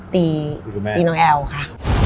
ตีน้องแอวค่ะ